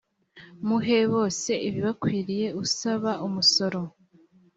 muhe bose ibibakwiriye usaba umusoro